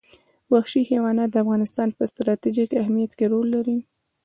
وحشي حیوانات د افغانستان په ستراتیژیک اهمیت کې رول لري.